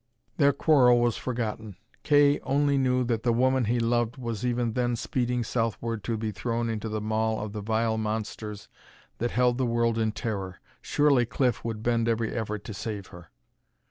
Their quarrel was forgotten. Kay only knew that the woman he loved was even then speeding southward to be thrown to the maw of the vile monsters that held the world in terror. Surely Cliff would bend every effort to save her!